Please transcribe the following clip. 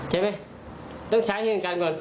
ถึงฉายเหตุการณ์ก่อน